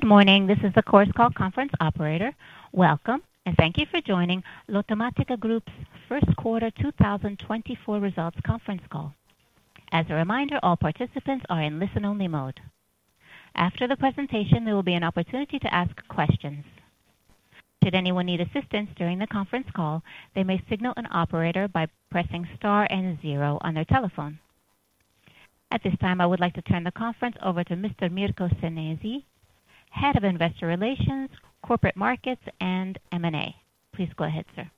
Good morning this is the Chorus Call conference call operator. Welcome, and thank you for joining Lottomatica Group's first quarter 2024 results conference call. As a reminder, all participants are in listen-only mode. After the presentation, there will be an opportunity to ask questions. Should anyone need assistance during the conference call, they may signal an operator by pressing star and zero on their telephone. At this time, I would like to turn the conference over to Mr. Mirko Senesi, Head of Investor Relations, Capital Markets and M&A. Please go ahead, sir.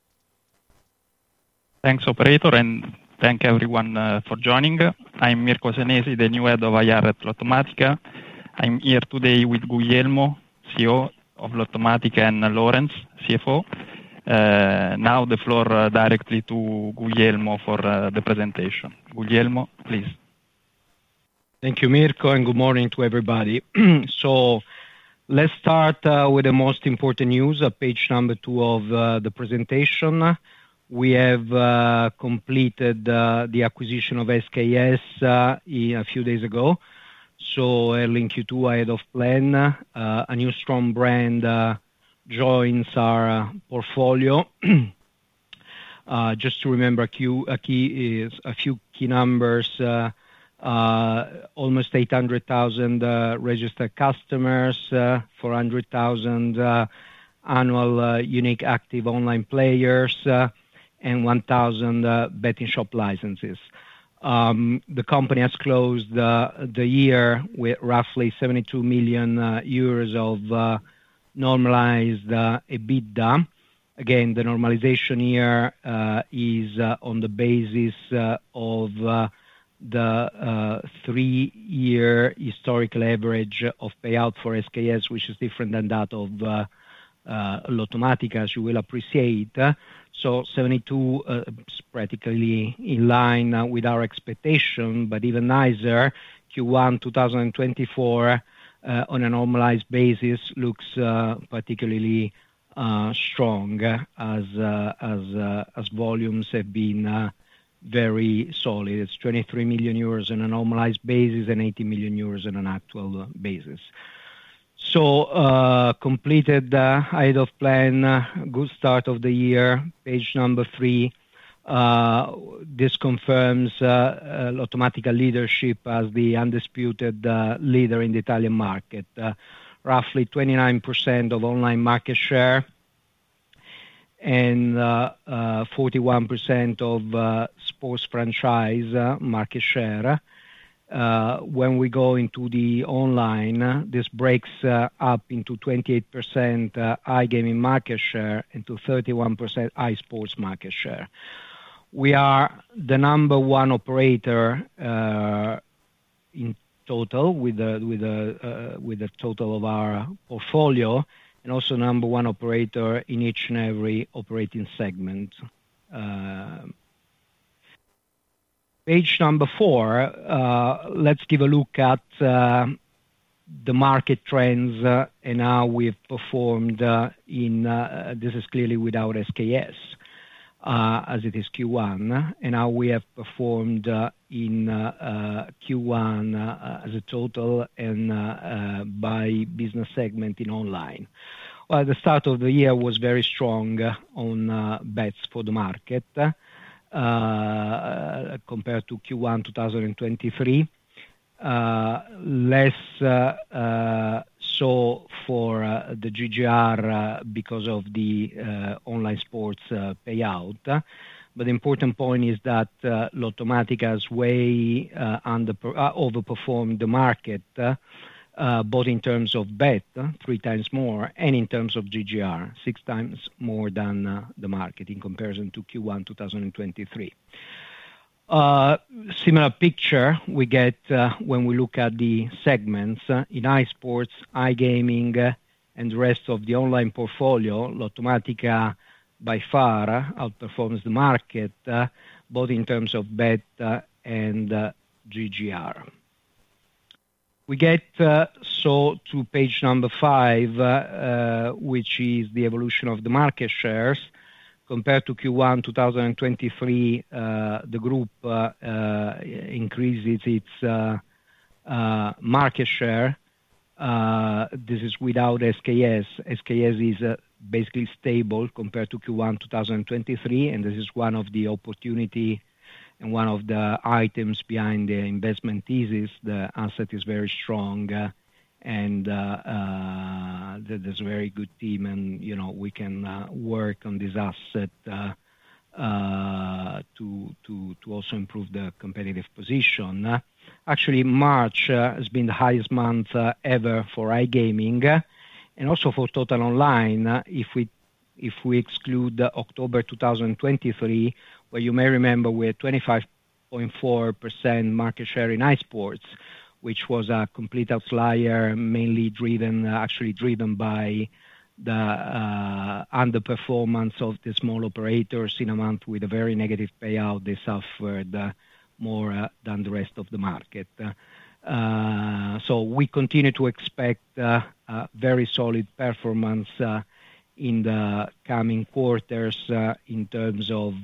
Thanks operator, and thank everyone for joining. I'm Mirko Senesi, the new Head of IR at Lottomatica. I'm here today with Guglielmo, CEO of Lottomatica, and Laurence, CFO. Now the floor directly to Guglielmo for the presentation. Guglielmo, please. Thank you Mirko, and good morning to everybody. So let's start with the most important news, page number two of the presentation. We have completed the acquisition of SKS a few days ago, so early Q2 ahead of plan. A new strong brand joins our portfolio. Just to remember, a few key numbers, almost 800,000 registered customers, 400,000 annual unique active online players, and 1,000 betting shop licenses. The company has closed the year with roughly 72 million euros of normalized EBITDA. Again, the normalization year is on the basis of the three-year historical average of payout for SKS, which is different than that of Lottomatica, as you will appreciate. So 72 is practically in line with our expectation, but even nicer, Q1 2024 on a normalized basis looks particularly strong as volumes have been very solid. It's 23 million euros on a normalized basis and 80 million euros on an actual basis. So completed ahead of plan, good start of the year. Page number three, this confirms Lottomatica leadership as the undisputed leader in the Italian market. Roughly 29% of online market share and 41% of sports franchise market share. When we go into the online, this breaks up into 28% iGaming market share, into 31% iSports market share. We are the number one operator in total with a total of our portfolio and also number one operator in each and every operating segment. Page number four, let's give a look at the market trends and how we've performed in. This is clearly without SKS as it is Q1 and how we have performed in Q1 as a total and by business segment in online. Well, the start of the year was very strong on bets for the market compared to Q1 2023. Less so for the GGR because of the online sports payout. But the important point is that Lottomatica's way overperformed the market both in terms of bet 3x more and in terms of GGR 6x more than the market in comparison to Q1 2023. Similar picture we get when we look at the segments. In iSports, iGaming, and the rest of the online portfolio, Lottomatica by far outperforms the market both in terms of bet and GGR. We get so to page number five which is the evolution of the market shares. Compared to Q1 2023 the group increases its market share. This is without SKS. SKS is basically stable compared to Q1 2023, and this is one of the opportunity and one of the items behind the investment thesis. The asset is very strong, and there's a very good team and, you know, we can work on this asset to also improve the competitive position. Actually, March has been the highest month ever for iGaming and also for total online, if we exclude the October 2023, where you may remember we had 25.4% market share in iSports, which was a complete outlier, mainly driven, actually driven by the underperformance of the small operators in a month with a very negative payout. They suffered more than the rest of the market. So we continue to expect a very solid performance in the coming quarters in terms of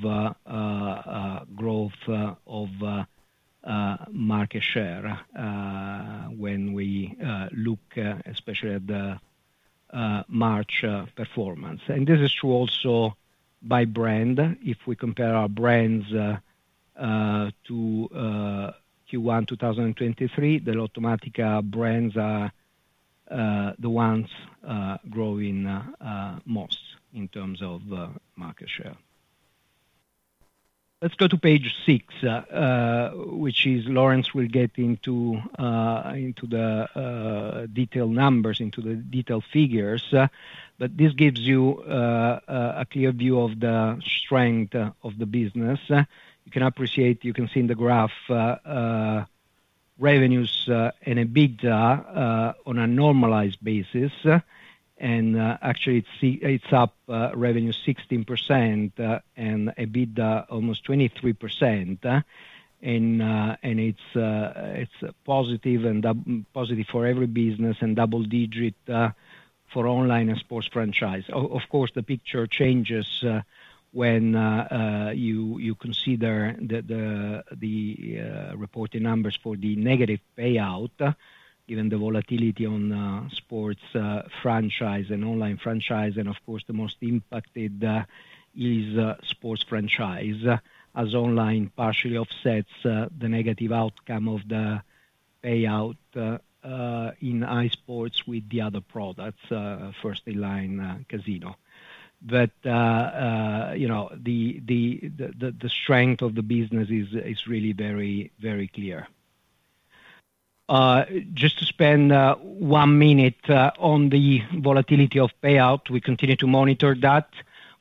growth of market share when we look especially at the March performance. This is true also by brand. If we compare our brands to Q1 2023, the Lottomatica brands are the ones growing most in terms of market share. Let's go to page six, which is Laurence will get into the detailed numbers, into the detailed figures. This gives you a clear view of the strength of the business. You can appreciate, you can see in the graph, revenues and EBITDA on a normalized basis, and actually, it's up, revenue 16%, and EBITDA almost 23%. And it's positive and positive for every business and double digits for online and sports franchise. Of course, the picture changes when you consider the reported numbers for the negative payout, given the volatility on sports franchise and online franchise, and of course, the most impacted is sports franchise. As online partially offsets the negative outcome of the payout in iSports with the other products, first online casino. But you know, the strength of the business is really very, very clear. Just to spend one minute on the volatility of payout, we continue to monitor that.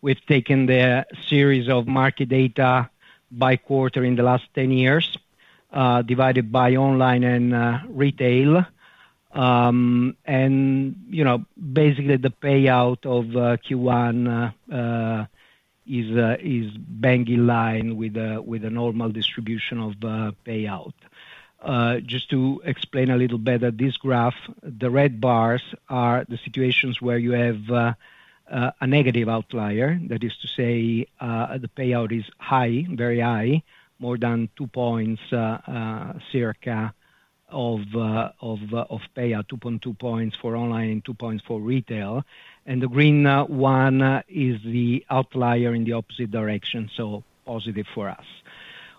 We've taken the series of market data by quarter in the last 10 years, divided by online and retail. And you know, basically, the payout of Q1 is bang in line with a normal distribution of the payout. Just to explain a little better, this graph, the red bars are the situations where you have a negative outlier. That is to say, the payout is high, very high, more than 2 points circa of payout, 2.2 points for online and 2 points for retail. And the green one is the outlier in the opposite direction, so positive for us.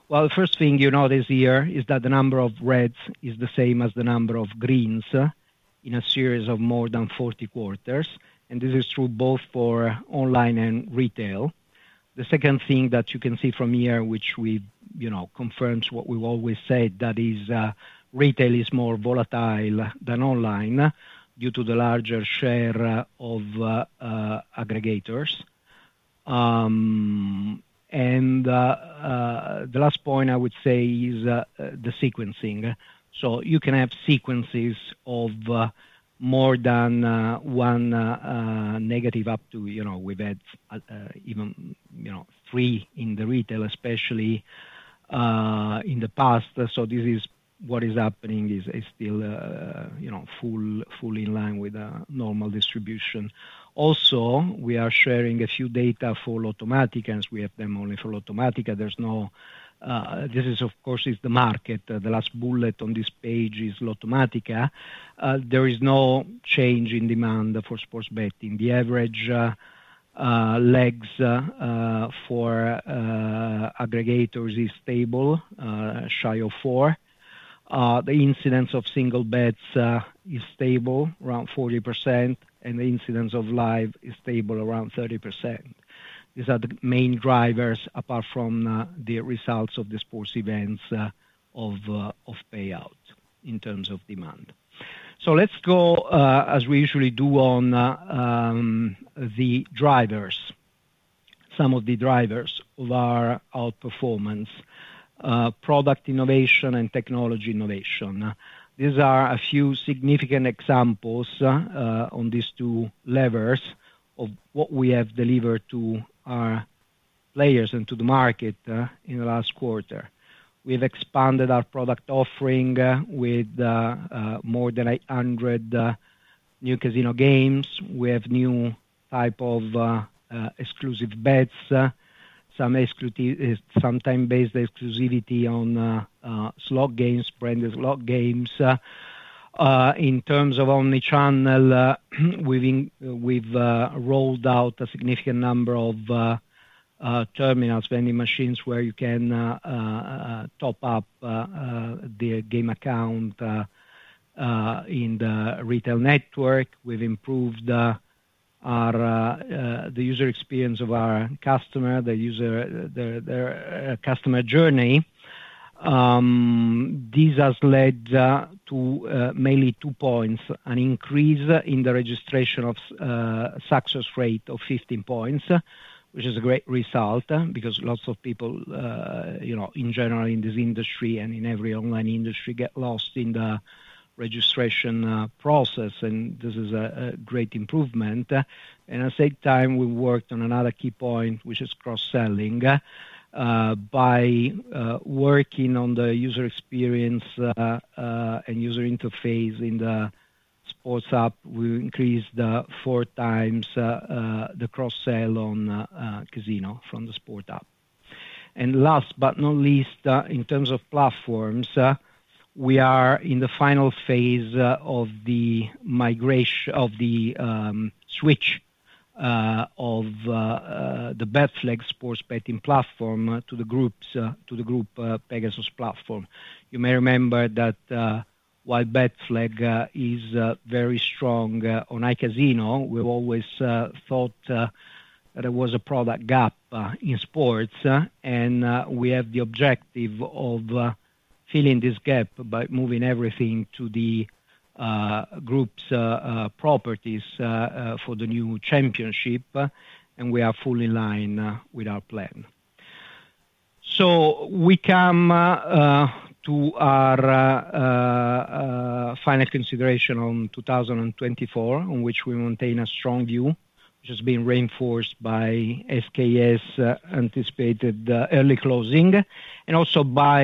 Well, the first thing you notice here is that the number of reds is the same as the number of greens in a series of more than 40 quarters, and this is true both for online and retail. The second thing that you can see from here, which we, you know, confirms what we've always said, that is, retail is more volatile than online due to the larger share of aggregators. The last point I would say is the sequencing. So you can have sequences of more than one negative up to, you know, we've had even, you know, three in the retail, especially in the past. So this is what is happening is still, you know, fully in line with a normal distribution. Also, we are sharing a few data for Lottomatica, and we have them only for Lottomatica. There's no. This is of course, is the market. The last bullet on this page is Lottomatica. There is no change in demand for sports betting. The average legs for aggregators is stable, shy of four. The incidence of single bets is stable, around 40%, and the incidence of live is stable, around 30%. These are the main drivers, apart from the results of the sports events of payouts in terms of demand. So let's go, as we usually do on, the drivers. Some of the drivers of our outperformance, product innovation and technology innovation. These are a few significant examples on these two levers of what we have delivered to our players and to the market in the last quarter. We've expanded our product offering with more than 800 new casino games. We have new type of exclusive bets, some time-based exclusivity on slot games, branded slot games. In terms of omni-channel, we've rolled out a significant number of terminals, vending machines, where you can top up the game account in the retail network. We've improved the user experience of our customer, the user customer journey. This has led to mainly two points, an increase in the registration success rate of 15 points, which is a great result, because lots of people, you know, in general, in this industry and in every online industry, get lost in the registration process, and this is a great improvement. And at the same time, we worked on another key point, which is cross-selling, by working on the user experience and user interface in the sports app, we increased 4x the cross-sell on casino from the sports app. And last but not least, in terms of platforms, we are in the final phase of the switch of the Betflag sports betting platform to the groups to the group Pegasus platform. You may remember that, while Betflag is very strong on iCasino, we've always thought that there was a product gap in sports, and we have the objective of filling this gap by moving everything to the group's properties for the new championship, and we are fully in line with our plan. So we come to our final consideration on 2024, on which we maintain a strong view, which has been reinforced by SKS anticipated early closing, and also by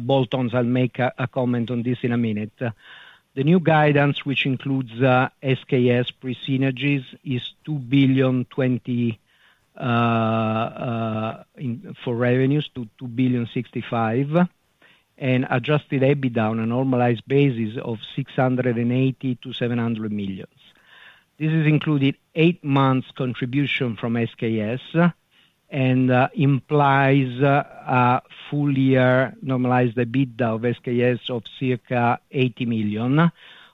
bolt-ons. I'll make a comment on this in a minute. The new guidance, which includes SKS pre-synergies, is 2.02 billion for revenues to 2.065 billion, and adjusted EBITDA on a normalized basis of 680 million-700 million. This has included 8 months contribution from SKS, and implies a full year normalized EBITDA of SKS of circa 80 million,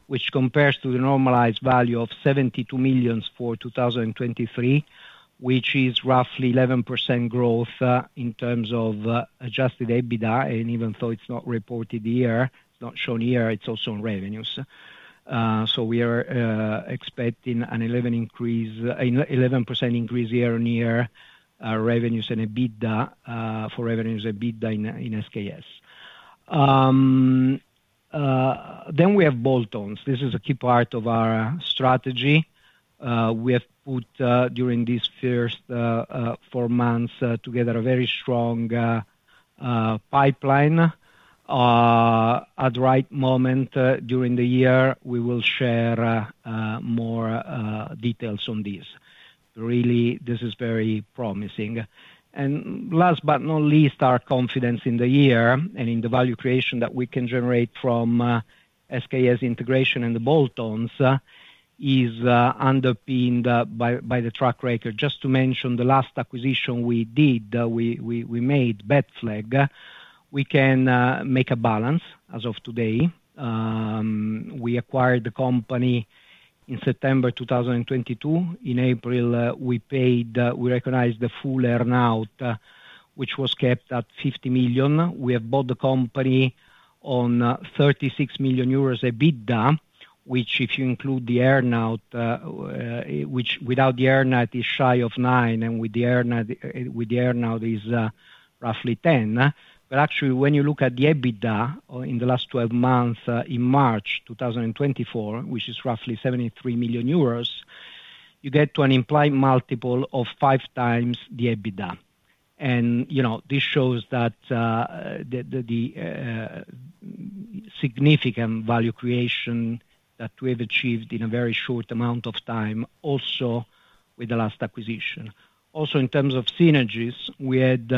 which compares to the normalized value of 72 million for 2023, which is roughly 11% growth in terms of adjusted EBITDA. Even though it's not reported here, it's not shown here, it's also on revenues. So we are expecting an 11% increase year-on-year, revenues and EBITDA for revenues EBITDA in SKS. Then we have bolt-ons. This is a key part of our strategy. We have put during these first four months together a very strong pipeline. At right moment during the year, we will share more details on this. Really, this is very promising. And last but not least, our confidence in the year and in the value creation that we can generate from SKS integration and the bolt-ons is underpinned by the track record. Just to mention, the last acquisition we did, we made, Betflag, we can make a balance as of today. We acquired the company in September 2022. In April, we recognized the full earn-out, which was kept at 50 million. We have bought the company on 36 million euros EBITDA, which if you include the earn-out, which without the earn-out is shy of 9, and with the earn-out is roughly 10. But actually, when you look at the EBITDA in the last 12 months in March 2024, which is roughly 73 million euros, you get to an implied multiple of 5x the EBITDA. You know, this shows that the significant value creation that we have achieved in a very short amount of time, also with the last acquisition. Also, in terms of synergies, we had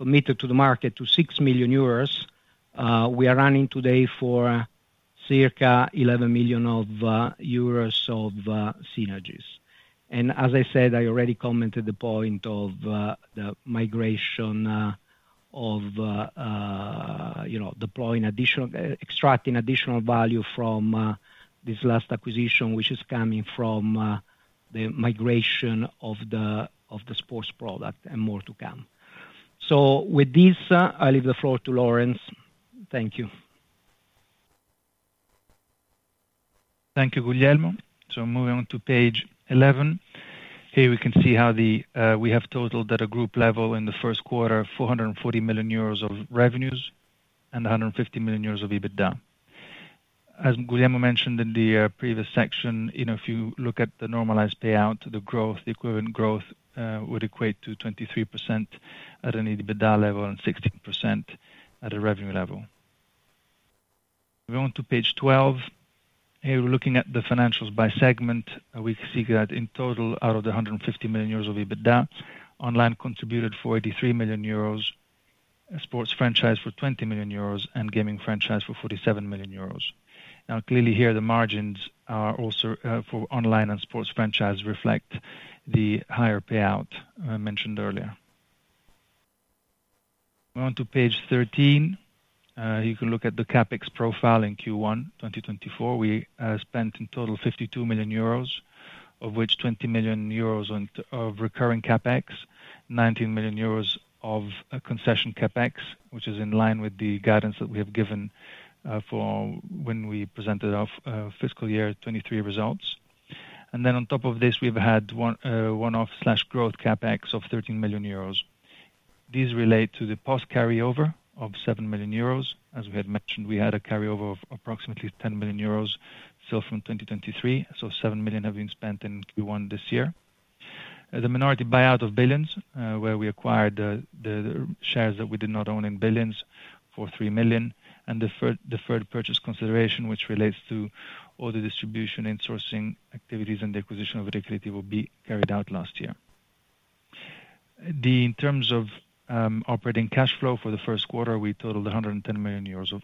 committed to the market to 6 million euros. We are running today for circa 11 million euros of synergies. And as I said, I already commented the point of the migration of you know, deploying additional extracting additional value from this last acquisition, which is coming from the migration of the sports product and more to come. So with this, I leave the floor to Laurence thank you. Thank you, Guglielmo. So moving on to page 11. Here we can see how we have totaled at a group level in the first quarter, 440 million euros of revenues and 150 million euros of EBITDA. As Guglielmo mentioned in the previous section, you know, if you look at the normalized payout, the growth, the equivalent growth, would equate to 23% at an EBITDA level and 16% at a revenue level. We go on to page 12. Here, we're looking at the financials by segment. We can see that in total, out of the 150 million euros of EBITDA, online contributed 43 million euros, sports franchise for 20 million euros, and gaming franchise for 47 million euros. Now, clearly here, the margins are also for online and sports franchise reflect the higher payout mentioned earlier. We go on to page 13. You can look at the CapEx profile in Q1 2024. We spent in total 52 million euros, of which 20 million euros on of recurring CapEx, 19 million euros of a concession CapEx, which is in line with the guidance that we have given for when we presented our fiscal year 2023 results. And then on top of this, we've had one one-off/growth CapEx of 13 million euros. These relate to the POS carryover of 7 million euros. As we had mentioned, we had a carryover of approximately 10 million euros, still from 2023, so 7 million have been spent in Q1 this year. The minority buyout of Billions, where we acquired the shares that we did not own in Billions for 3 million, and deferred purchase consideration, which relates to all the distribution and sourcing activities and the acquisition of Ricreativo B carried out last year. Then in terms of operating cash flow for the first quarter, we totaled 110 million euros.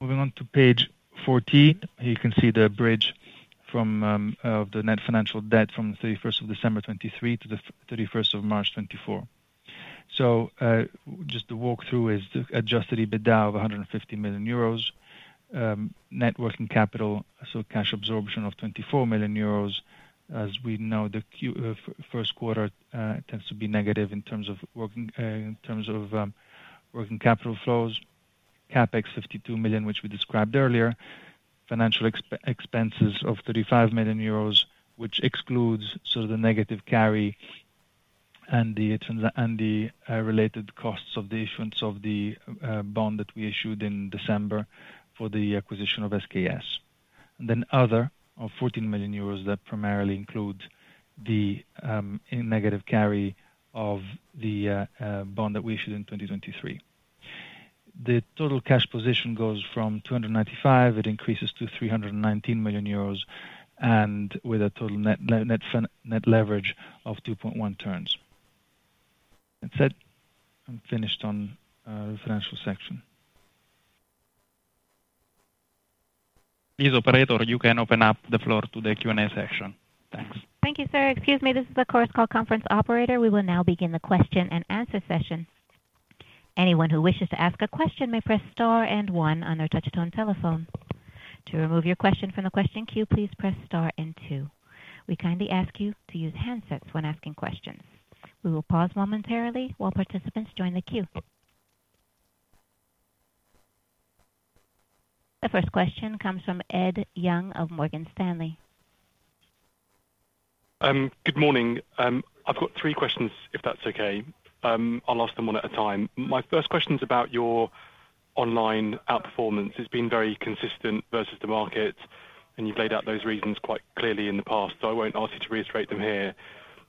Moving on to page 14, you can see the bridge from of the net financial debt from December 31st, 2023 to March 31, 2024. So, just to walk through is adjusted EBITDA of 150 million euros, net working capital, so cash absorption of 24 million euros. As we know, the first quarter tends to be negative in terms of working capital flows. CapEx, 52 million, which we described earlier. Financial expenses of 35 million euros, which excludes sort of the negative carry and the related costs of the issuance of the bond that we issued in December for the acquisition of SKS. Then other of 14 million euros that primarily includes the negative carry of the bond that we issued in 2023. The total cash position goes from 295, it increases to 319 million euros, and with a total net leverage of 2.1 turns. That's it. I'm finished on the financial section. Please, operator, you can open up the floor to the Q&A section. Thanks. Thank you, sir. Excuse me, this is the Chorus Call conference operator. We will now begin the question-and-answer session. Anyone who wishes to ask a question may press star and one on their touch-tone telephone. To remove your question from the question queue, please press star and two. We kindly ask you to use handsets when asking questions. We will pause momentarily while participants join the queue. The first question comes from Ed Young of Morgan Stanley. Good morning. I've got three questions, if that's okay. I'll ask them one at a time. My first question is about your online outperformance. It's been very consistent versus the market, and you've laid out those reasons quite clearly in the past, so I won't ask you to reiterate them here.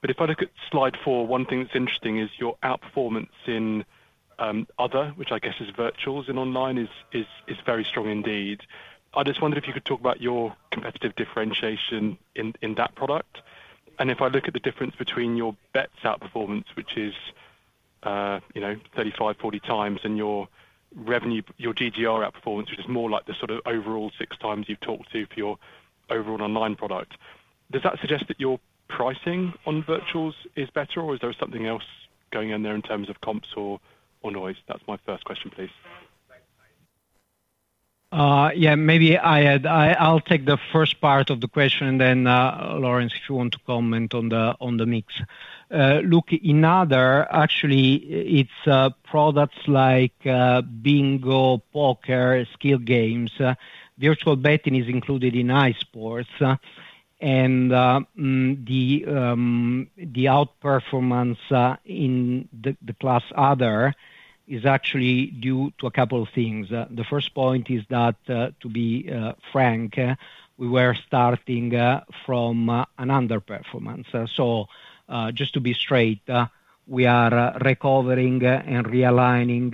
But if I look at slide four, one thing that's interesting is your outperformance in other, which I guess is virtuals in online, is very strong indeed. I just wondered if you could talk about your competitive differentiation in that product. And if I look at the difference between your bets outperformance, which is, you know, 35-40x, and your revenue, your GGR outperformance, which is more like the sort of overall 6x you've talked to for your overall online product. Does that suggest that your pricing on virtuals is better, or is there something else going on there in terms of comps or, or noise? That's my first question, please. Yeah, maybe I add. I'll take the first part of the question, and then, Laurence, if you want to comment on the mix. Look, in other, actually, it's products like bingo, poker, skill games. Virtual betting is included in esports, and the outperformance in the class other is actually due to a couple of things. The first point is that, to be frank, we were starting from an underperformance. So, just to be straight, we are recovering and realigning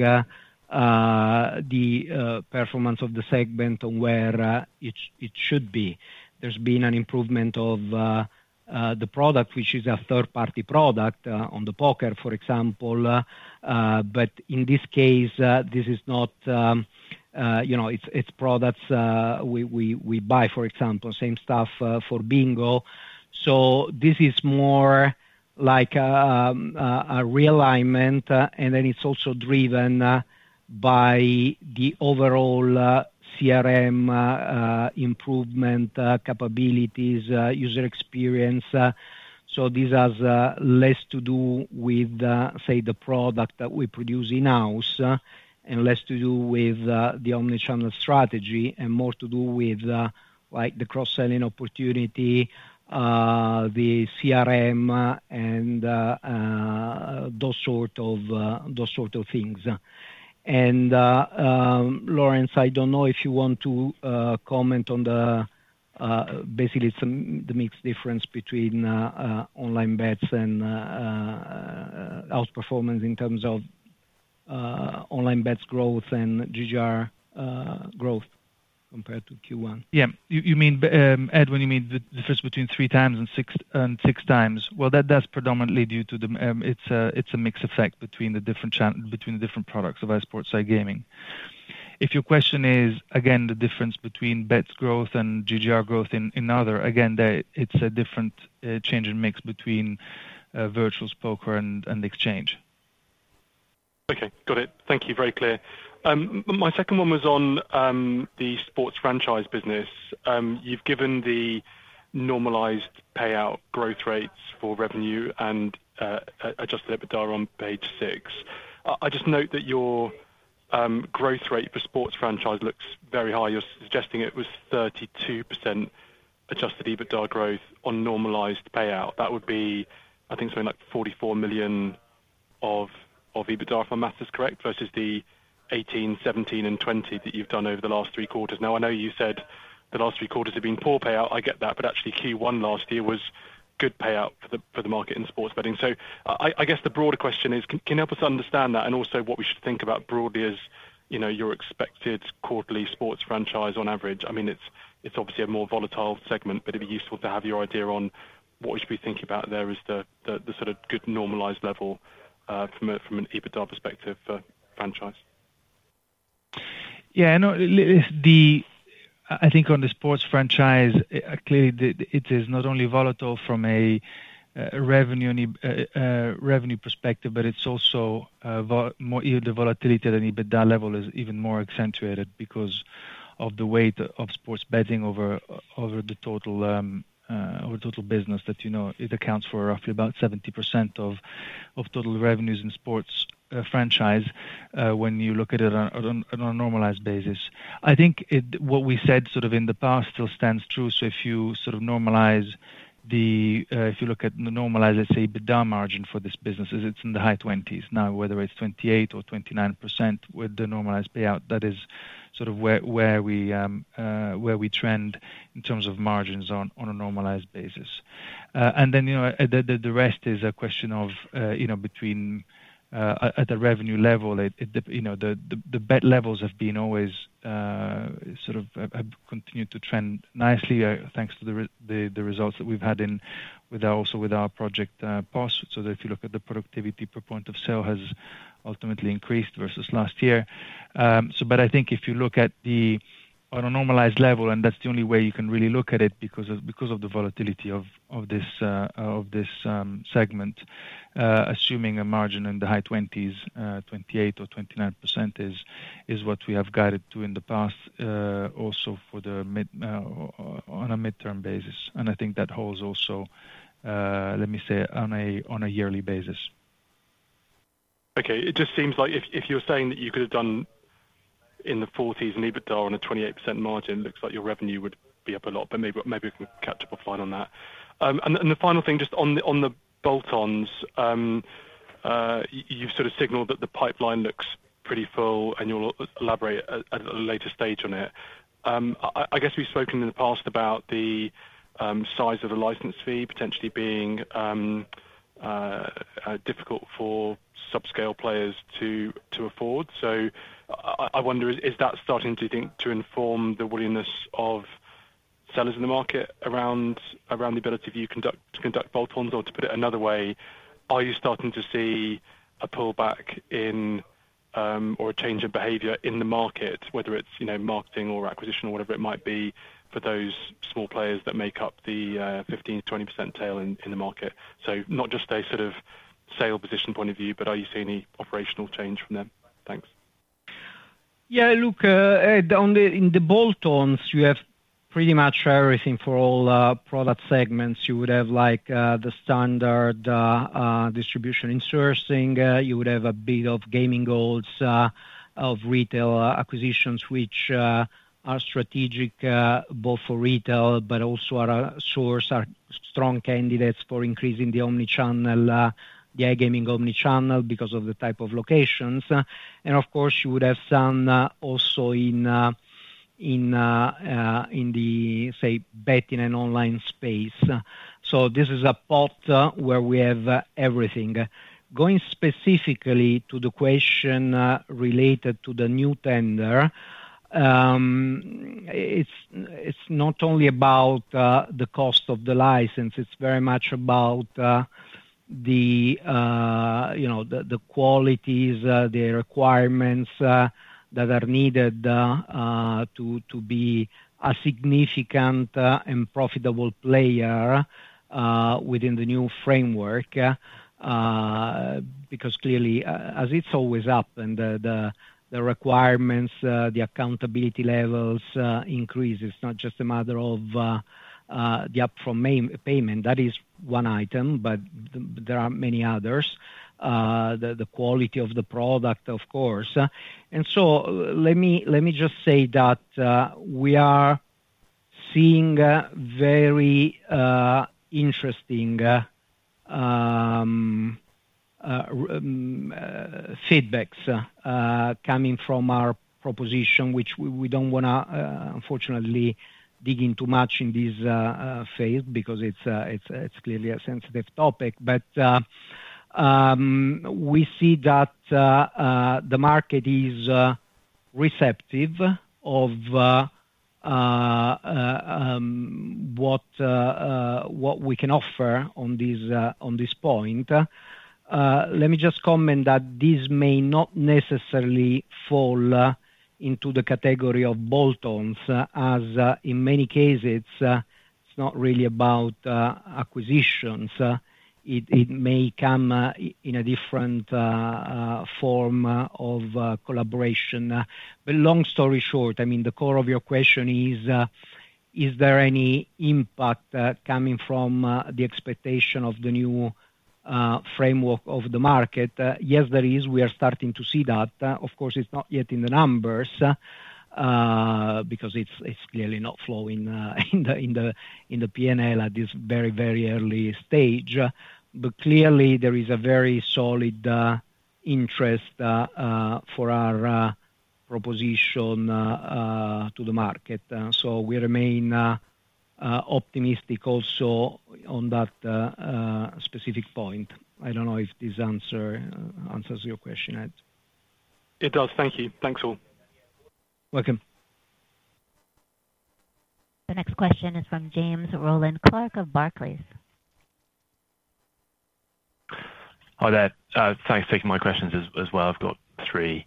the performance of the segment on where it should be. There's been an improvement of the product, which is a third-party product on the poker, for example, but in this case, this is not, you know, it's products we buy, for example, same stuff for bingo. So this is more like a realignment, and then it's also driven by the overall CRM improvement capabilities user experience. So this has less to do with, say, the product that we produce in-house, and less to do with the omni-channel strategy and more to do with, like, the cross-selling opportunity, the CRM, and those sort of things. Laurence, I don't know if you want to comment on the basically some the mixed difference between online bets and outperformance in terms of online bets growth and GGR growth compared to Q1. Yeah, you mean, Ed, when you mean the difference between 3x and 6x? Well, that does predominantly due to the. It's a mix effect between the different products of iSports and iGaming. If your question is, again, the difference between bets growth and GGR growth in other, again, that it's a different change in mix between virtual poker and exchange. Okay got it thank you very clear. My second one was on the sports franchise business. You've given the normalized payout growth rates for revenue and adjusted EBITDA on page six. I just note that your growth rate for sports franchise looks very high. You're suggesting it was 32% adjusted EBITDA growth on normalized payout. That would be, I think, something like 44 million of EBITDA, if I'm that is correct, versus the 18, 17, and 20 that you've done over the last three quarters. Now, I know you said the last three quarters have been poor payout. I get that, but actually, Q1 last year was good payout for the market in sports betting. So I guess the broader question is, can you help us understand that, and also what we should think about broadly as, you know, your expected quarterly sports franchise on average? I mean, it's obviously a more volatile segment, but it'd be useful to have your idea on what we should be thinking about there as the sort of good normalized level, from an EBITDA perspective for franchise. Yeah, I know. I think on the sports franchise, clearly, it is not only volatile from a revenue perspective, but it's also more the volatility at an EBITDA level is even more accentuated because of the weight of sports betting over the total business that, you know, it accounts for roughly about 70% of total revenues in sports franchise when you look at it on a normalized basis. I think what we said sort of in the past still stands true. So if you sort of normalize, if you look at the normalized, let's say, EBITDA margin for this business, it's in the high 20s. Now, whether it's 28% or 29% with the normalized payout, that is sort of where we trend in terms of margins on a normalized basis. And then, you know, the rest is a question of you know between at a revenue level. It, the you know the bet levels have been always sort of have continued to trend nicely thanks to the results that we've had in with our also with our project POS. So that if you look at the productivity per point of sale has ultimately increased versus last year. So but I think if you look at the, on a normalized level, and that's the only way you can really look at it, because of the volatility of this segment, assuming a margin in the high twenties, 28% or 29% is what we have guided to in the past, also for the mid, on a midterm basis. And I think that holds also, let me say, on a yearly basis. Okay. It just seems like if, if you're saying that you could have done in the 40s in EBITDA on a 28% margin, looks like your revenue would be up a lot, but maybe, maybe we can catch up offline on that. And the final thing, just on the bolt-ons, you sort of signaled that the pipeline looks pretty full and you'll elaborate at a later stage on it. I guess we've spoken in the past about the size of the license fee potentially being difficult for subscale players to afford. So I wonder, is that starting to inform the willingness of sellers in the market around the ability for you to conduct bolt-ons? Or to put it another way, are you starting to see a pullback in, or a change of behavior in the market, whether it's, you know, marketing or acquisition or whatever it might be, for those small players that make up the 15%-20% tail in the market? So not just a sort of sale position point of view, but are you seeing any operational change from them? Thanks. Yeah, look, in the bolt-ons, you have pretty much everything for all product segments. You would have like, the standard distribution and sourcing. You would have a bit of gaming halls of retail acquisitions, which are strategic both for retail, but also are a source, are strong candidates for increasing the omni-channel, the iGaming omni-channel because of the type of locations. And of course, you would have some also in the, say, betting and online space. So this is a spot where we have everything. Going specifically to the question related to the new tender, it's not only about the cost of the license, it's very much about, you know, the qualities, the requirements that are needed to be a significant and profitable player within the new framework because clearly, as it's always up and the requirements, the accountability levels increases. It's not just a matter of the up-front payment. That is one item, but there are many others. The quality of the product, of course. So, let me just say that we are seeing very interesting feedbacks coming from our proposition, which we don't wanna unfortunately dig into much in this phase because it's clearly a sensitive topic. But we see that the market is receptive of what we can offer on this point. Let me just comment that this may not necessarily fall into the category of bolt-ons, as in many cases it's not really about acquisitions. It may come in a different form of collaboration. But long story short, I mean, the core of your question is, is there any impact coming from the expectation of the new framework of the market? Yes, there is. We are starting to see that. Of course, it's not yet in the numbers, because it's clearly not flowing in the P&L at this very, very early stage. But clearly there is a very solid interest for our proposition to the market. So we remain optimistic also on that specific point. I don't know if this answer answers your question, Ed. It does. Thank you. Thanks, all. Welcome. The next question is from James Rowland Clark of Barclays. Hi there. Thanks for taking my questions as well. I've got three.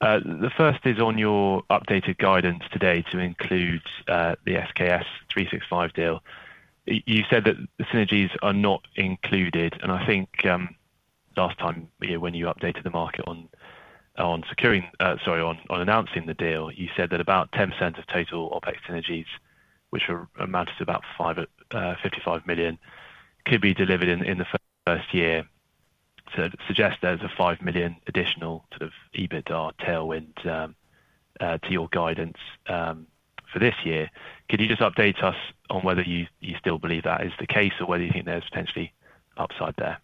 The first is on your updated guidance today to include the SKS365 deal. You said that the synergies are not included, and I think, last time here, when you updated the market on announcing the deal, you said that about 10% of total OpEx synergies, which amounted to about 55 million, could be delivered in the first year. So it suggests there's a 5 million additional sort of EBITDA tailwind to your guidance for this year. Could you just update us on whether you still believe that is the case, or whether you think there's potentially upside there?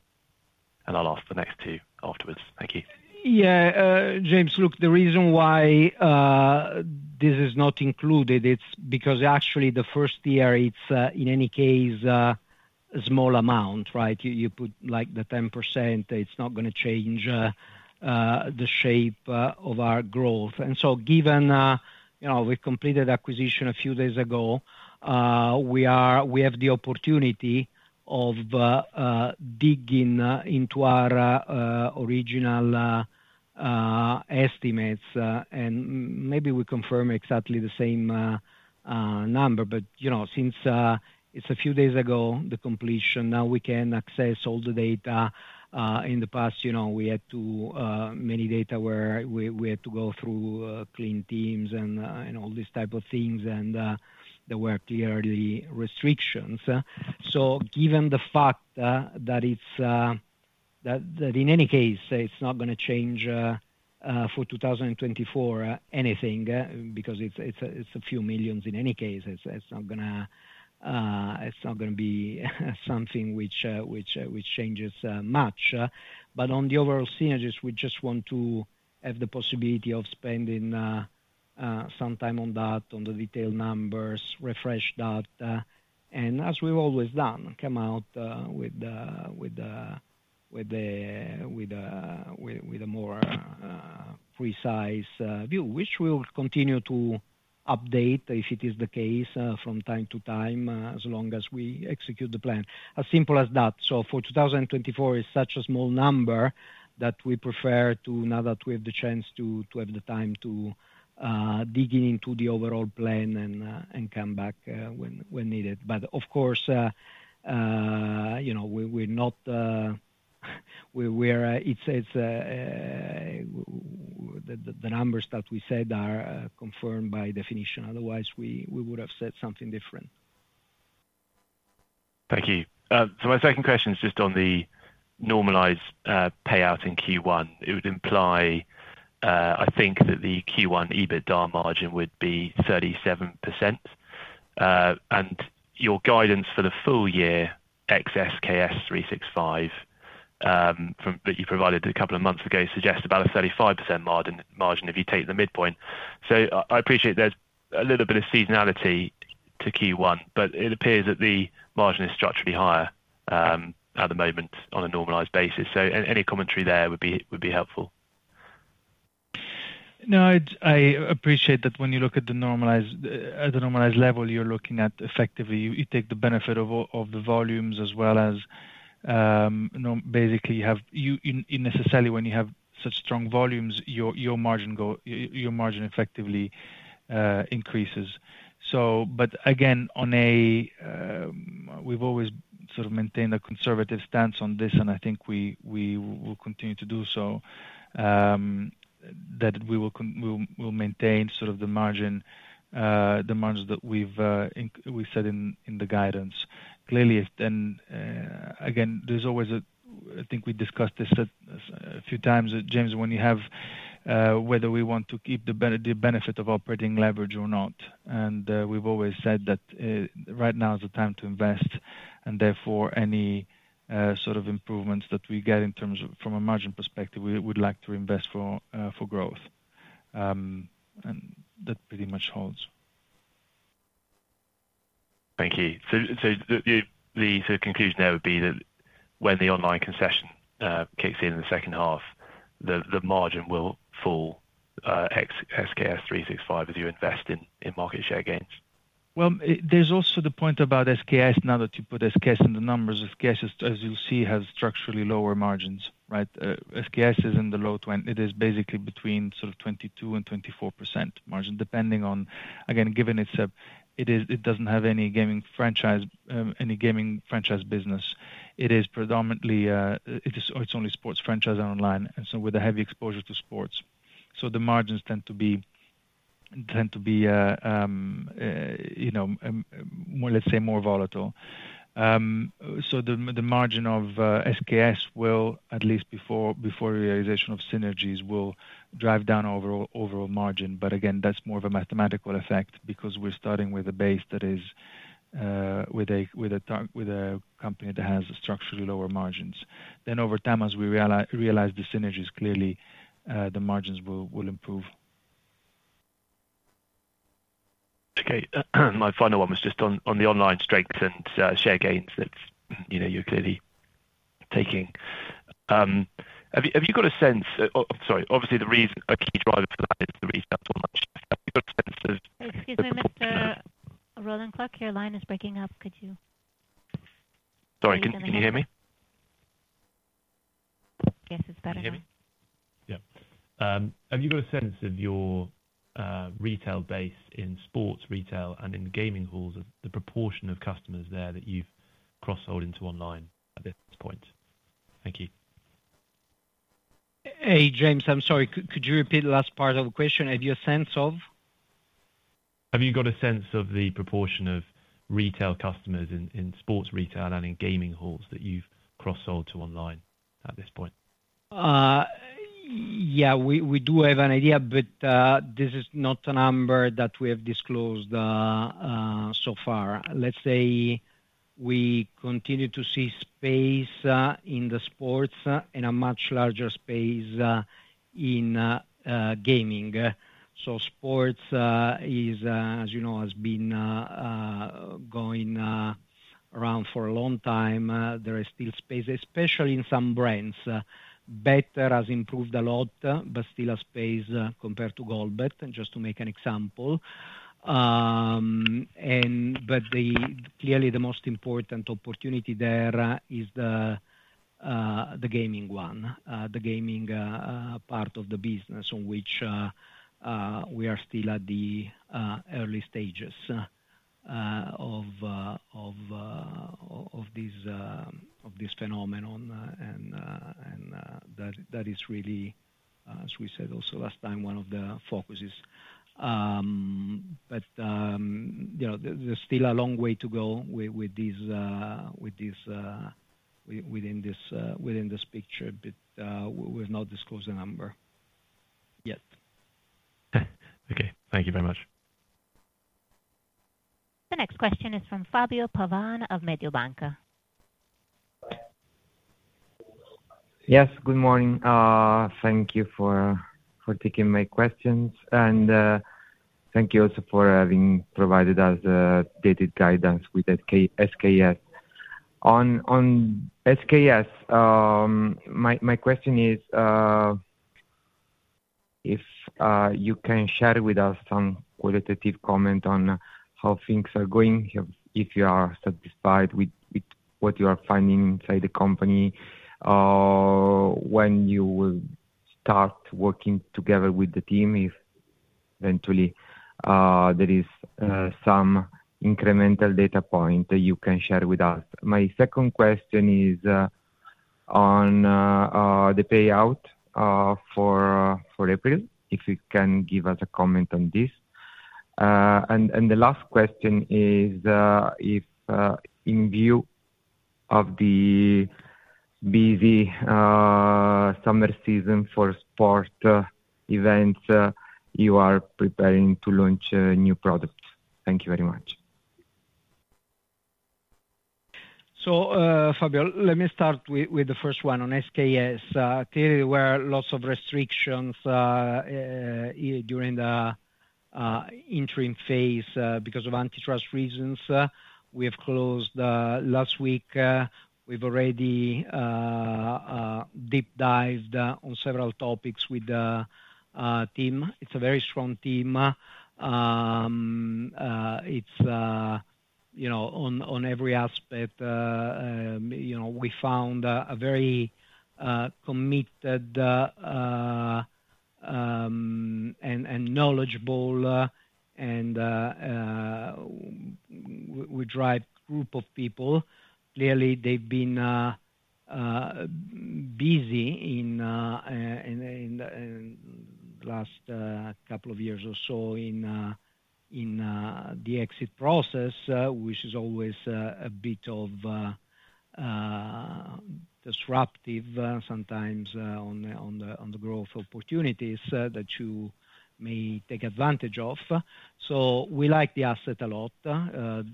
And I'll ask the next two afterwards. Thank you. Yeah. James, look, the reason why this is not included, it's because actually the first year, it's in any case a small amount, right? You put, like, the 10%, it's not gonna change the shape of our growth. And so given, you know, we completed acquisition a few days ago, we are-- we have the opportunity of digging into our original estimates, and maybe we confirm exactly the same number. But, you know, since it's a few days ago, the completion, now we can access all the data. In the past, you know, we had to many data where we had to go through clean teams and and all these type of things, and there were clearly restrictions. So given the fact that it's... That in any case, it's not gonna change for 2024 anything, because it's a few million EUR in any case. It's not gonna be something which changes much. But on the overall synergies, we just want to have the possibility of spending some time on that, on the detailed numbers, refresh that, and as we've always done, come out with a more precise view. Which we'll continue to update, if it is the case, from time to time, as long as we execute the plan. As simple as that. So for 2024, it's such a small number that we prefer to... Now that we have the chance to have the time to dig into the overall plan and come back when needed. But of course, you know, we're not— It says, the numbers that we said are confirmed by definition, otherwise, we would have said something different. Thank you. So my second question is just on the normalized payout in Q1. It would imply, I think that the Q1 EBITDA margin would be 37%. And your guidance for the full year, ex SKS365, from-- that you provided a couple of months ago, suggests about a 35% margin, margin if you take the midpoint. So I, I appreciate there's a little bit of seasonality to Q1, but it appears that the margin is structurally higher, at the moment on a normalized basis. So any, any commentary there would be, would be helpful. No, I'd appreciate that when you look at the normalized, at the normalized level, you're looking at effectively, you take the benefit of all of the volumes as well as, you know, basically, you have, you necessarily when you have such strong volumes, your margin goes, your margin effectively increases. So but again, on a, we've always sort of maintained a conservative stance on this, and I think we will continue to do so. That we will, we'll maintain sort of the margin, the margin that we've set in the guidance. Clearly, if then, again, there's always a... I think we discussed this a few times, James, when you have, whether we want to keep the benefit of operating leverage or not. And, we've always said that right now is the time to invest, and therefore, any sort of improvements that we get in terms of from a margin perspective, we'd like to invest for for growth. And that pretty much holds. Thank you. So the conclusion there would be that when the online concession kicks in in the second half, the margin will fall ex SKS365, as you invest in market share gains? Well, there's also the point about SKS, now that you put SKS in the numbers. SKS, as you'll see, has structurally lower margins, right? SKS is basically between sort of 22% and 24% margin, depending on... Again, given it's a, it doesn't have any gaming franchise business. It is predominantly, it's only sports franchise and online, and so with a heavy exposure to sports. So the margins tend to be more volatile, you know, let's say.... So the margin of SKS will, at least before realization of synergies, drive down overall margin. But again, that's more of a mathematical effect, because we're starting with a base that is with a company that has structurally lower margins. Then over time, as we realize the synergies, clearly, the margins will improve. Okay. My final one was just on the online strengths and share gains that, you know, you're clearly taking. Have you got a sense... Oh, sorry. Obviously, the reason, a key driver for that is the retail format. Have you got a sense of- Excuse me, Mr. Rowland Clark, your line is breaking up. Could you- Sorry. Can you hear me? Can you hear me? Yes, it's better now. Can you hear me? Yeah. Have you got a sense of your retail base in sports retail and in gaming halls, of the proportion of customers there that you've cross-sold into online at this point? Thank you. Hey James I'm sorry. Could you repeat the last part of the question? Have you a sense of? Have you got a sense of the proportion of retail customers in, in sports retail and in gaming halls that you've cross-sold to online at this point? Yeah, we, we do have an idea, but this is not a number that we have disclosed so far. Let's say we continue to see space in the sports and a much larger space in gaming. So sports is, as you know, has been going around for a long time. There is still space, especially in some brands. Better has improved a lot, but still has space compared to Goldbet, and just to make an example. But clearly, the most important opportunity there is the gaming one, the gaming part of the business on which we are still at the early stages of this phenomenon, and that is really, as we said also last time, one of the focuses. But you know, there's still a long way to go with these within this picture, but we will not disclose the number yet. Okay, thank you very much. The next question is from Fabio Pavan of Mediobanca. Yes, good morning. Thank you for taking my questions, and thank you also for having provided us the updated guidance with SKS365. On SKS365, my question is, if you can share with us some qualitative comment on how things are going, if you are satisfied with what you are finding inside the company, when you will start working together with the team, if eventually there is some incremental data point that you can share with us. My second question is on the payout for April, if you can give us a comment on this. And the last question is, if in view of the busy summer season for sport events, you are preparing to launch new products. Thank you very much. So, Fabio, let me start with the first one on SKS. There were lots of restrictions during the interim phase because of antitrust reasons, we have closed last week, we've already deep dived on several topics with the team. It's a very strong team. It's you know, on every aspect, you know, we found a very committed and knowledgeable and we drive group of people. Clearly, they've been busy in the last couple of years or so in the exit process, which is always a bit of disruptive sometimes on the growth opportunities that you may take advantage of. So we like the asset a lot.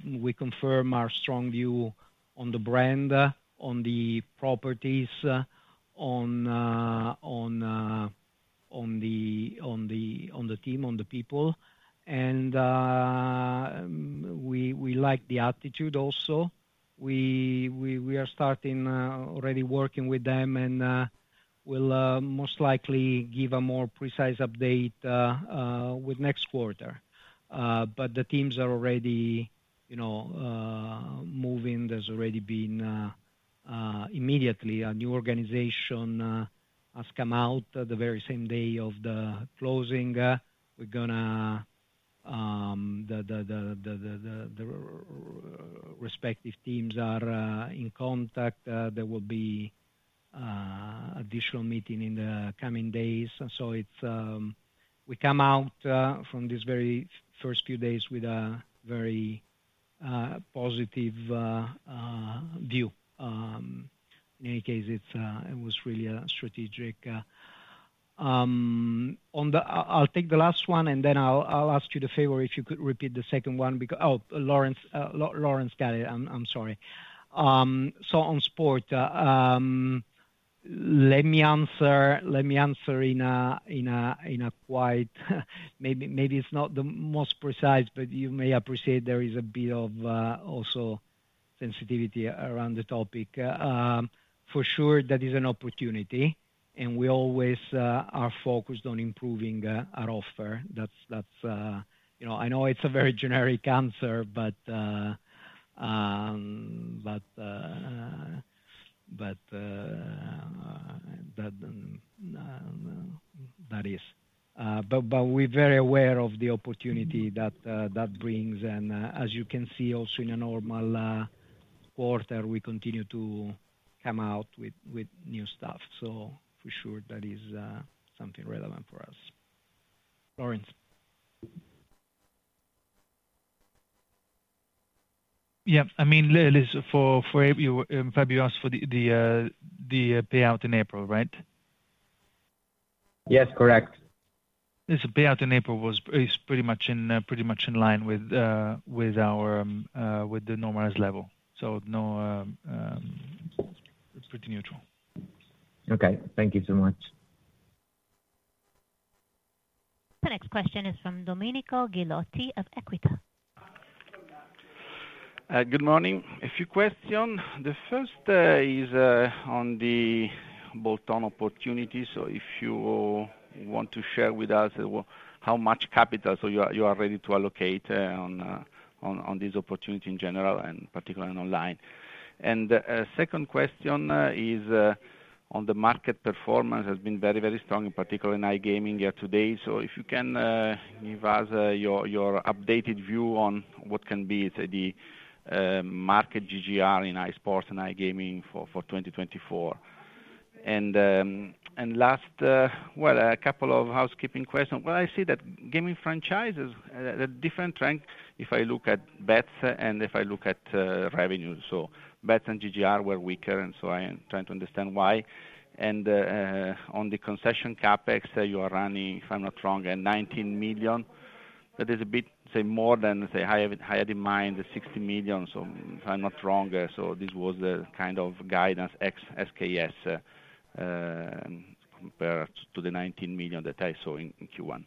We confirm our strong view on the brand, on the properties, on the team, on the people, and we like the attitude also. We are starting already working with them, and we'll most likely give a more precise update with next quarter. But the teams are already, you know, moving. There's already been immediately a new organization has come out the very same day of the closing. We're gonna. The respective teams are in contact. There will be additional meeting in the coming days. So it's we come out from this very first few days with a very positive view. In any case, it's, it was really a strategic... On the-- I'll take the last one, and then I'll, I'll ask you the favor, if you could repeat the second one, because-- Oh, Laurence, L-Laurence got it. I'm, I'm sorry. So on sport, let me answer, let me answer in a, in a, in a quite, maybe, maybe it's not the most precise, but you may appreciate there is a bit of, also sensitivity around the topic. For sure, that is an opportunity, and we always, are focused on improving, our offer. That's, that's, you know, I know it's a very generic answer, but, but, but, but, that is. But, but we're very aware of the opportunity that, that brings. As you can see, also in a normal quarter, we continue to come out with, with new stuff. So for sure, that is something relevant for us. Laurence? Yeah. I mean, listen, for you, Fabio, you asked for the payout in April, right? Yes, correct. This payout in April is pretty much in line with our normalized level. So no, it's pretty neutral. Okay, thak you so much. The next question is from Domenico Ghilotti of Equita. Good morning. A few question. The first is on the bolt-on opportunity. So if you want to share with us, well, how much capital you are ready to allocate on this opportunity in general and particularly in online? And second question is on the market performance, has been very, very strong, particularly in iGaming yet today. So if you can give us your updated view on what can be, say, the market GGR in iSports and iGaming for 2024. And last, well, a couple of housekeeping questions. Well, I see that gaming franchises at different ranks, if I look at bets and if I look at revenue. So bets and GGR were weaker, and so I am trying to understand why. On the concession CapEx, you are running, if I'm not wrong, at 19 million. That is a bit, say, more than, say, I have, I had in mind the 60 million, so if I'm not wrong. This was the kind of guidance ex SKS, compared to the 19 million that I saw in Q1.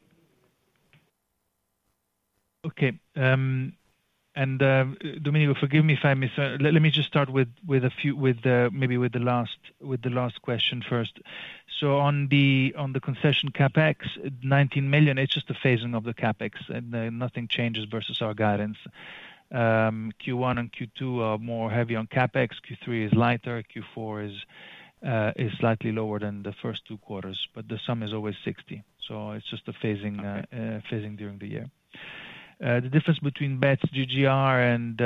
Okay, and, Domenico, forgive me if I miss... Let me just start with maybe the last question first. So on the concession CapEx, 19 million, it's just a phasing of the CapEx, and nothing changes versus our guidance. Q1 and Q2 are more heavy on CapEx. Q3 is lighter, Q4 is slightly lower than the first two quarters, but the sum is always 60 million. So it's just a phasing during the year. The difference between bets GGR and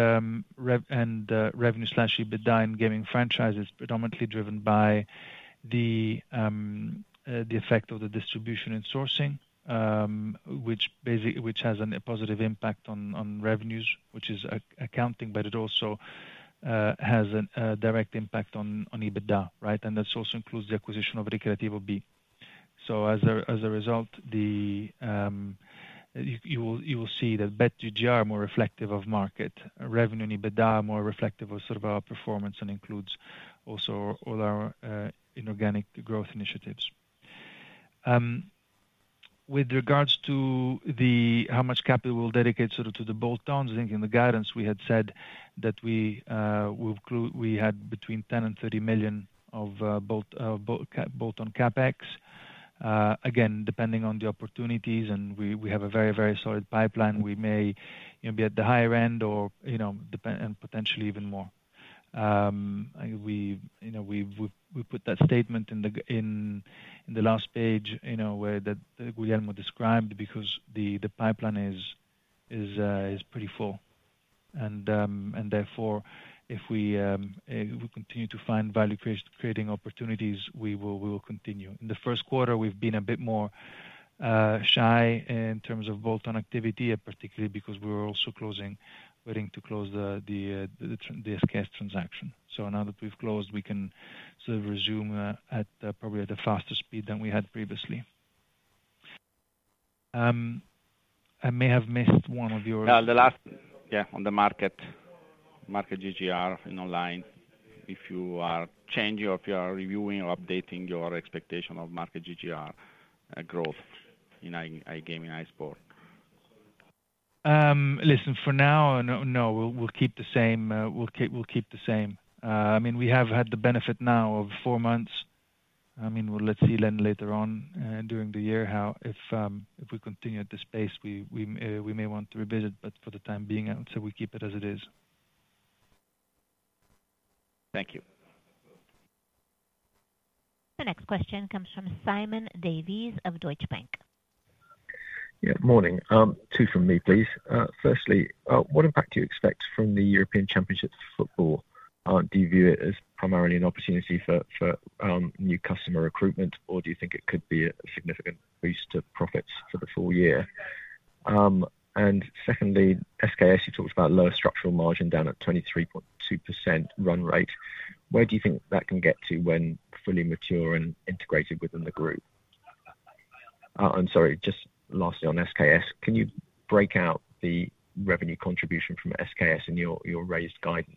revenue/EBITDA in gaming franchises is predominantly driven by the effect of the distribution and sourcing, which has a positive impact on revenues, which is an accounting, but it also has a direct impact on EBITDA, right? And that also includes the acquisition of Ricreativo B. So as a result, you will see that bet GGR are more reflective of market. Revenue and EBITDA are more reflective of sort of our performance and includes also all our inorganic growth initiatives. With regards to how much capital we'll dedicate sort of to the bolt-ons, I think in the guidance we had said that we had between 10 million and 30 million of bolt-on CapEx. Again, depending on the opportunities and we have a very, very solid pipeline, we may, you know, be at the higher end or, you know, depending and potentially even more. We, you know, we've put that statement in the last page, you know, where Guglielmo described, because the pipeline is pretty full. And therefore, if we continue to find value creating opportunities, we will continue. In the first quarter, we've been a bit more shy in terms of bolt-on activity, and particularly because we're also waiting to close the SKS365 transaction. So now that we've closed, we can sort of resume at probably a faster speed than we had previously. I may have missed one of your- The last, yeah, on the market, market GGR in online. If you are changing or if you are reviewing or updating your expectation of market GGR, growth in iGaming, iSports. Listen, for now, no, no, we'll keep the same. I mean, we have had the benefit now of four months. I mean, well, let's see then later on during the year how, if we continue at this pace, we may want to revisit, but for the time being, I would say we keep it as it is. Thank you. The next question comes from Simon Davies of Deutsche Bank.... Yeah, morning. Two from me, please. Firstly, what impact do you expect from the European Championships football? Do you view it as primarily an opportunity for, for, new customer recruitment, or do you think it could be a significant boost to profits for the full year? And secondly, SKS, you talked about lower structural margin, down at 23.2% run rate. Where do you think that can get to when fully mature and integrated within the group? I'm sorry, just lastly, on SKS, can you break out the revenue contribution from SKS in your, your raised guidance?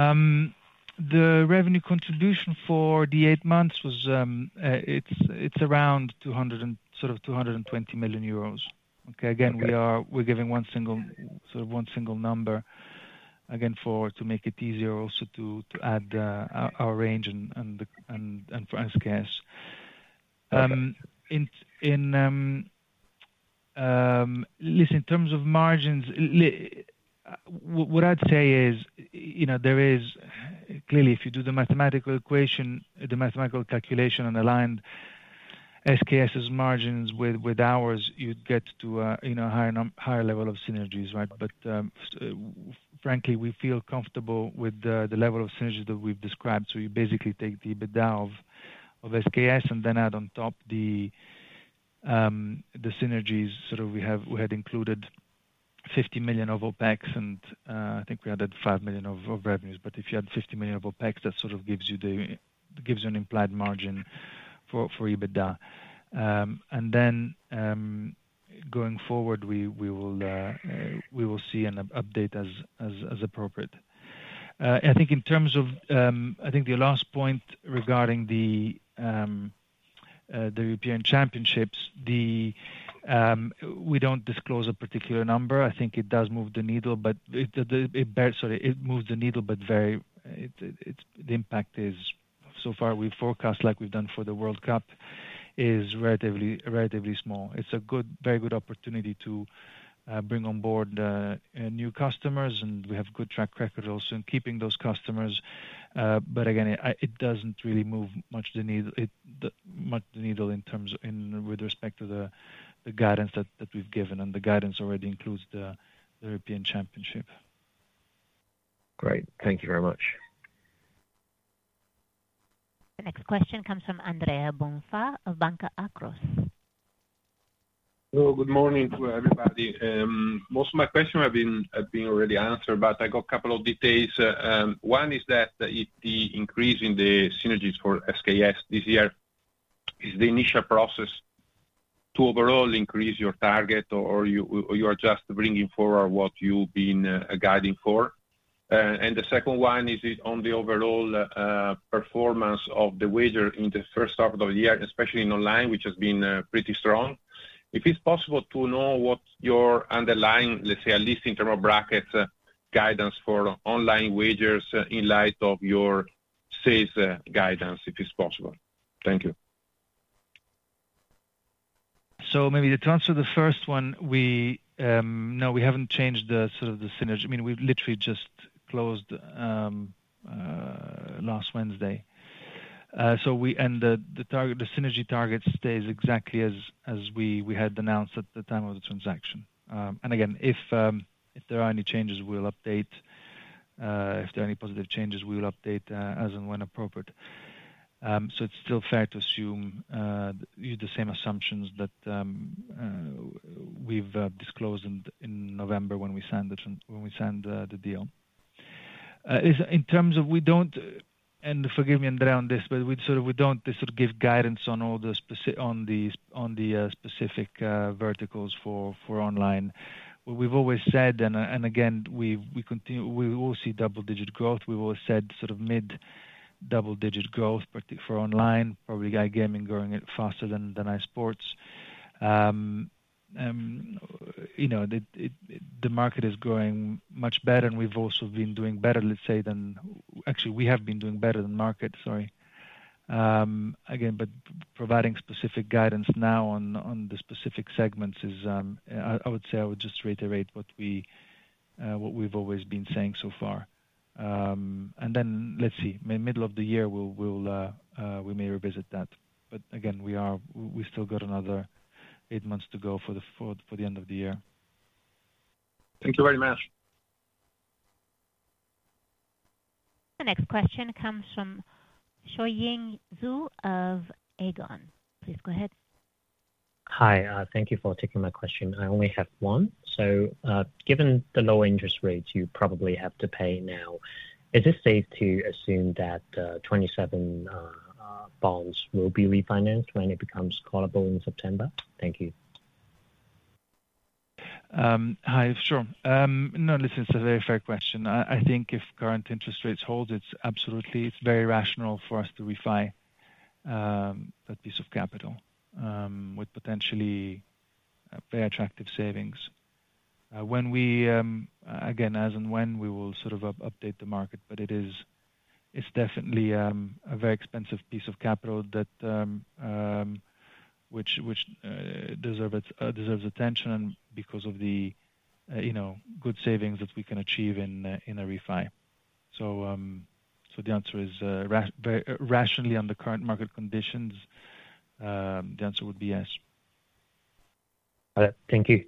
The revenue contribution for the eight months. It's around 200 million and sort of 220 million euros. Okay. Okay. Again, we're giving one single, sort of, one single number, again, to make it easier also to add our range and for SKS. Okay. Listen, in terms of margins, what I'd say is, you know, there is clearly, if you do the mathematical equation, the mathematical calculation on the line, SKS's margins with ours, you'd get to a higher level of synergies, right? But frankly, we feel comfortable with the level of synergies that we've described. So you basically take the EBITDA of SKS and then add on top the synergies. We had included 50 million of OpEx, and I think we added 5 million of revenues. But if you add 50 million of OpEx, that sort of gives you an implied margin for EBITDA. And then, going forward, we will see and update as appropriate. I think in terms of, I think the last point regarding the European Championships, we don't disclose a particular number. I think it moves the needle, but very, the impact is so far, we forecast like we've done for the World Cup, is relatively small. It's a good, very good opportunity to bring on board new customers, and we have good track record also in keeping those customers. But again, it doesn't really move much the needle in terms of, with respect to the guidance that we've given, and the guidance already includes the European Championship. Great. Thank you very much. The next question comes from Andrea Bonfà of Banca Akros. Hello, good morning to everybody. Most of my questions have been already answered, but I got a couple of details. One is that the increase in the synergies for SKS this year, is the initial process to overall increase your target, or you are just bringing forward what you've been guiding for? And the second one is it on the overall performance of the wager in the first half of the year, especially in online, which has been pretty strong. If it's possible to know what your underlying, let's say, at least internal brackets, guidance for online wagers in light of your sales guidance, if it's possible. Thank you. So maybe to answer the first one, we no, we haven't changed the sort of the synergy. I mean, we've literally just closed last Wednesday. So we and the target, the synergy target stays exactly as we had announced at the time of the transaction. And again, if there are any changes, we'll update. If there are any positive changes, we will update as and when appropriate. So it's still fair to assume use the same assumptions that we've disclosed in November when we signed the deal. In terms of... We don't, and forgive me, Andrea, on this, but we sort of, we don't sort of give guidance on all the specific verticals for online. We've always said, and again, we continue, we will see double-digit growth. We've always said sort of mid-double-digit growth, particularly for online, probably iGaming growing faster than iSports. You know, the market is growing much better, and we've also been doing better, let's say, than... Actually, we have been doing better than market, sorry. Again, but providing specific guidance now on the specific segments is, I would say, I would just reiterate what we've always been saying so far. And then, let's see, maybe middle of the year we'll, we may revisit that. But again, we still got another eight months to go for the end of the year. Thank you very much. The next question comes from Chenhong Zhu of Aegon. Please go ahead. Hi, thank you for taking my question. I only have one. So, given the low interest rates you probably have to pay now, is it safe to assume that 27 bonds will be refinanced when it becomes callable in September? Thank you. Hi, sure. No, listen, it's a very fair question. I think if current interest rates hold, it's absolutely, it's very rational for us to refi that piece of capital with potentially a very attractive savings. When we again, as and when we will sort of update the market, but it is, it's definitely a very expensive piece of capital that which deserves attention because of the, you know, good savings that we can achieve in a refi. So the answer is very rationally, under the current market conditions, the answer would be yes. All right. Thank you.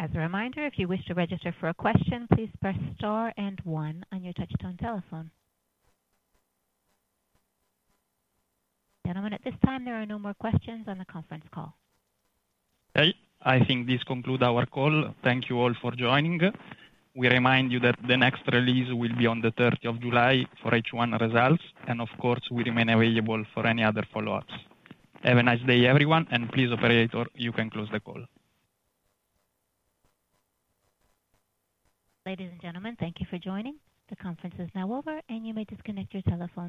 As a reminder, if you wish to register for a question, please press star and one on your touchtone telephone. Gentlemen, at this time, there are no more questions on the conference call. Okay. I think this conclude our call. Thank you all for joining us. We remind you that the next release will be on the thirteenth of July for H1 results, and of course, we remain available for any other follow-ups. Have a nice day, everyone, and please, operator, you can close the call. Ladies and gentlemen, thank you for joining. The conference is now over, and you may disconnect your telephones.